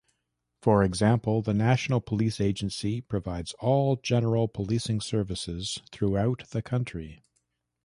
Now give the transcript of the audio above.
For example, the National Police Agency provides all general policing services throughout the country.